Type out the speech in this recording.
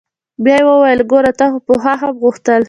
بيا يې وويل ګوره تا خو پخوا هم غوښتل.